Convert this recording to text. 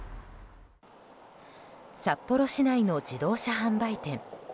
札幌市内の自動車販売店。